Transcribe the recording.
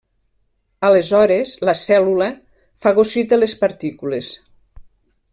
Aleshores la cèl·lula fagocita les partícules.